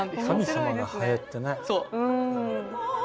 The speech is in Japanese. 神様がハエってね。